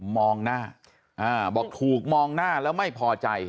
มองหน้าบอกถูกมองหน้าแล้วไม่พอใจ